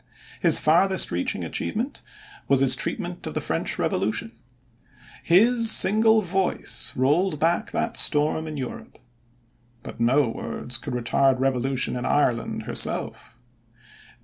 His farthest reaching achievement was his treatment of the French Revolution. His single voice rolled back that storm in Europe. But no words could retard revolution in Ireland herself.